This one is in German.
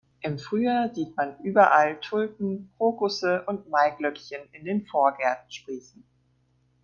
Im Frühjahr sieht man überall Tulpen, Krokusse und Maiglöckchen in den Vorgärten sprießen.